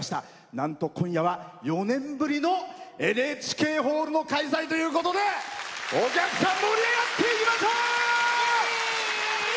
なんと今夜は４年ぶりのＮＨＫホールの開催ということで、お客さん盛り上がっていきましょう！